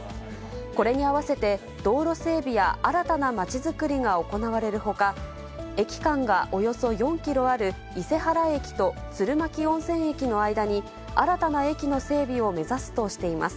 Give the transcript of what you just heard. これに合わせて、道路整備や新たなまちづくりが行われるほか、駅間がおよそ４キロある伊勢原駅と鶴巻温泉駅の間に、新たな駅の整備を目指すとしています。